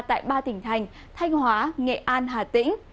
tại ba tỉnh thành thanh hóa nghệ an hà tĩnh